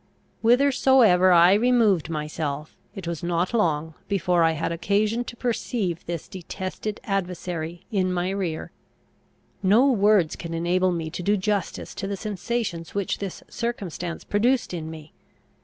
Whithersoever I removed myself it was not long before I had occasion to perceive this detested adversary in my rear. No words can enable me to do justice to the sensations which this circumstance produced in me.